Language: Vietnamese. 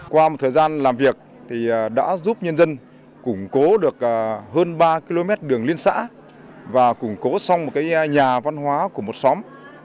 qua một thời gian làm việc thì đã giúp nhân dân củng cố được hơn ba km đường liên xã và củng cố xong một nhà văn hóa của một xóm